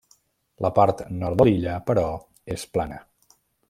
La part nord de l'illa, però, és plana.